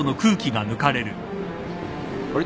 あれ？